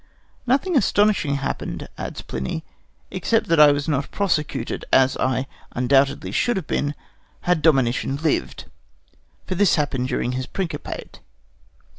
"Nothing astonishing happened," adds Pliny, "except that I was not prosecuted, as I undoubtedly should have been, had Domitian lived; for this happened during his principate.